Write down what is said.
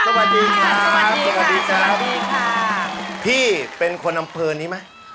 สวัสดีค่ะสวัสดีค่ะพี่เป็นคนล่ามเภอนี้มั้ย